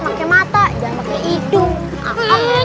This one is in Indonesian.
pakai mata jangan pakai hidung